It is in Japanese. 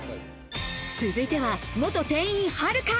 続いては元店員はるか。